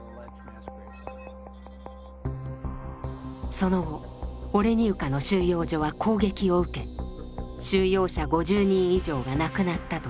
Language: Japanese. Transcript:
その後オレニウカの収容所は攻撃を受け収容者５０人以上が亡くなったとされる。